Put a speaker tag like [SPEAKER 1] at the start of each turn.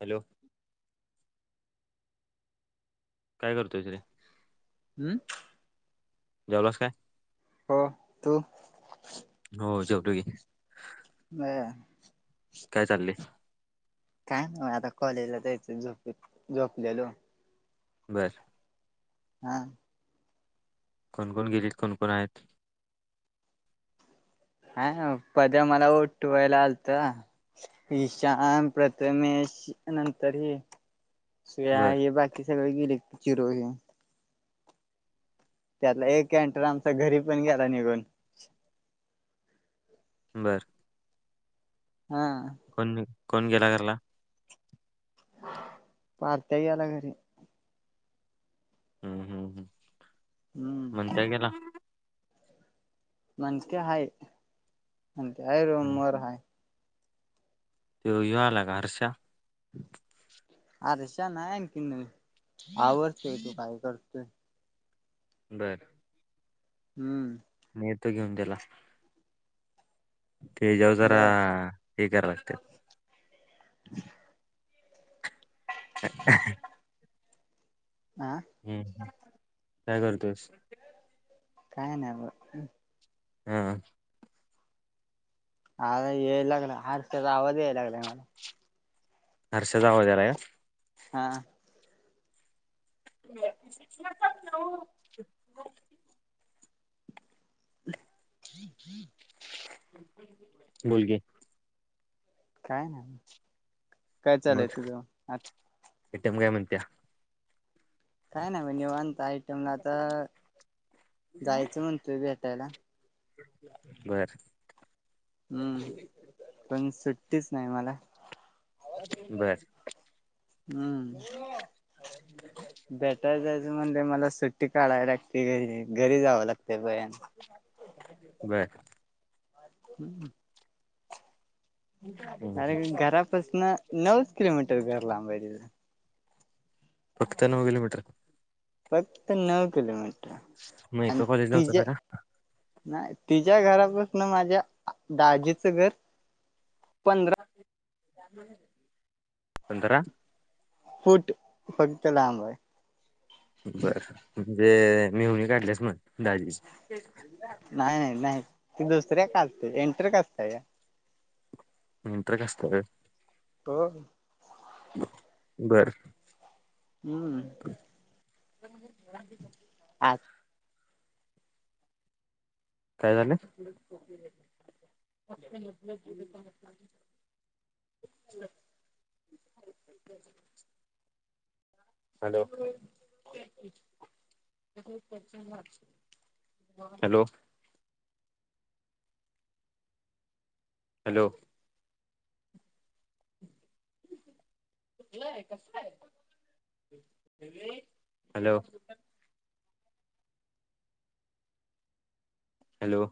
[SPEAKER 1] Hello काय करतोयस रे
[SPEAKER 2] हम्म
[SPEAKER 1] जेवलास काय
[SPEAKER 2] हो तू
[SPEAKER 1] हो जेवलो की
[SPEAKER 2] बर
[SPEAKER 1] काय चाललेय
[SPEAKER 2] काय ना आता कॉलेजला जायचं झोपेत झोपलेलो
[SPEAKER 1] बर
[SPEAKER 2] [unintelligible]
[SPEAKER 1] कोणकोण गिरीत कोणकोण आहेत
[SPEAKER 2] हाना पद्या मला ओठवायला आलता नीशान प्रथमेश नंतर ह... ह्या
[SPEAKER 1] बर
[SPEAKER 2] हे बाकी सगळे गेले चिरो हे त्यातला एक कंटर आमचा घरी पण गेला निघून
[SPEAKER 1] बरं
[SPEAKER 2] हा
[SPEAKER 1] कोण कोण गेला [unintelligible]
[SPEAKER 2] मारत्या गेला घरी
[SPEAKER 1] हम्म हम्म
[SPEAKER 2] हम्म
[SPEAKER 1] हम् [unintelligible] गेला
[SPEAKER 2] म्हणत्या हाय म्ह हाय रूम वर हाय
[SPEAKER 1] तो ह्यो आला का हर्षा
[SPEAKER 2] हर्षा नाय आहे की नाही आवरतोय तो काय करतोय
[SPEAKER 1] बरं
[SPEAKER 2] हम्म
[SPEAKER 1] तेजाव जरा
[SPEAKER 2] बर
[SPEAKER 1] हे करा लागत्यात. [unintelligible]
[SPEAKER 2] हा
[SPEAKER 1] हम्म, काय करतोस?
[SPEAKER 2] काय नाही ब. उं
[SPEAKER 1] हं
[SPEAKER 2] आर ये लागलं हार्स आवाज याय लागलाय मला.
[SPEAKER 1] हर्ष्या चा आवाज याला काय?
[SPEAKER 2] हां
[SPEAKER 1] [unintelligible]
[SPEAKER 2] [inaudible]
[SPEAKER 1] बोल के.
[SPEAKER 2] काय नाय. काय चालय तुझ? आत
[SPEAKER 1] एटम काय म्हणत्या?
[SPEAKER 2] काय ना ब निवांत आयटमला आता जायचं म्हणतो भेट त्याला
[SPEAKER 1] [unintelligible] बरं
[SPEAKER 2] हम्म, पण सुट्टीस् नाही मला.
[SPEAKER 1] बरं
[SPEAKER 2] हम्म, बेटर जायचं म्हणजे मला स् सुट्टी काढावी लागते घरी, घरी जावं लागते [unintelligible]
[SPEAKER 1] [unintelligible]
[SPEAKER 2] [unintelligible]
[SPEAKER 1] हम्म,
[SPEAKER 2] अरे
[SPEAKER 1] हम्म.
[SPEAKER 2] घरापासनं नऊच् किलोमीटर घर लांबाय तिथं.
[SPEAKER 1] फक्त नऊ किलोमीटर.
[SPEAKER 2] फक्त नऊ किलोमीट
[SPEAKER 1] मग
[SPEAKER 2] आन्
[SPEAKER 1] एका कॉलेजला
[SPEAKER 2] तिज्या
[SPEAKER 1] होतासा का
[SPEAKER 2] नाही तिज्या घरा प ना माझ्या दाजीचं घर पंधरा
[SPEAKER 1] [unintelligible] पंधरा
[SPEAKER 2] फूट फक्त लांब आय.
[SPEAKER 1] जर बे मेहुणी काडल्यास मन दाजी.
[SPEAKER 2] नाही नाही नाही ती दुसऱ्या कास्ट ची एंटर कास्ट या.
[SPEAKER 1] इंटर कास्ट वय.
[SPEAKER 2] हो
[SPEAKER 1] [unintelligible] बरं
[SPEAKER 2] हम्म
[SPEAKER 1] [unintelligible]
[SPEAKER 2] आठ
[SPEAKER 1] काय झालं? [unintelligible] Hello hello hello [inaudible] [unintelligible] hello hello